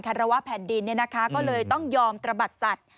รวะแผ่นดินก็เลยต้องยอมตระบัดสัตว์